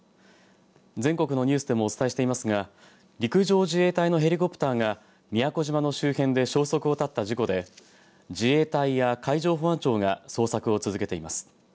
全国のニュースでもお伝えしていますが陸上自衛隊のヘリコプターが宮古島の周辺で消息を絶った事故で自衛隊や海上保安庁が捜索を続けています。